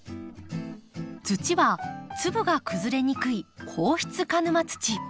土は粒が崩れにくい硬質鹿沼土。